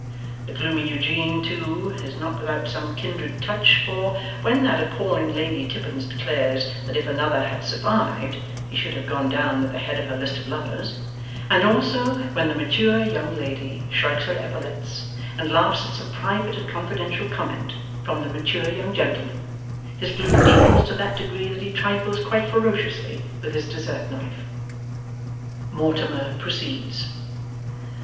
The gloomy Eugene too, is not without some kindred touch; for, when that appalling Lady Tippins declares that if Another had survived, he should have gone down at the head of her list of lovers and also when the mature young lady shrugs her epaulettes, and laughs at some private and confidential comment from the mature young gentleman his gloom deepens to that degree that he trifles quite ferociously with his dessert knife. Mortimer proceeds.